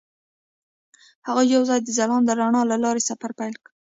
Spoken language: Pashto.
هغوی یوځای د ځلانده رڼا له لارې سفر پیل کړ.